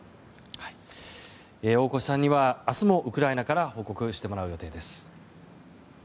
大越さんには明日もウクライナから報告してもらう予定です。